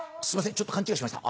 ちょっと勘違いしました。